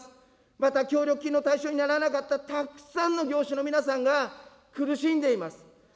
また、協力金の対象にならなかったたくさんの業種の皆さんが苦しんでいます。